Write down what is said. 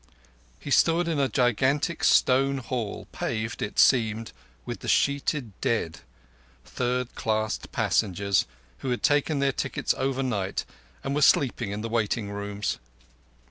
He stood in a gigantic stone hall paved, it seemed, with the sheeted dead third class passengers who had taken their tickets overnight and were sleeping in the waiting rooms.